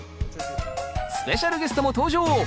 スペシャルゲストも登場！